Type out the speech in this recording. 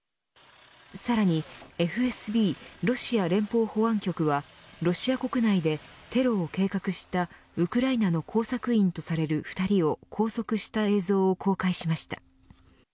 さらにＦＳＢロシア連邦保安局はロシア国内でテロを計画したウクライナの工作員とされる２人を拘束した映像を公開しました。